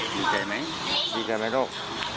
ดีใจไหมดีใจไหมลูก